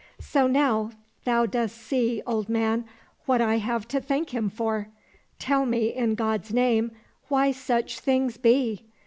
So now thou dost see, old man, what I have to thank him for. Tell me, in God's name, why such things be